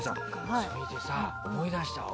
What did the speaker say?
それでさ、思い出したわ。